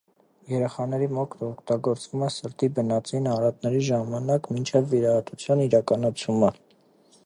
Երեխաների մոտ օգտագործվում է սրտի բնածին արատների ժամանակ, մինչև վիրահատության իրականացումը։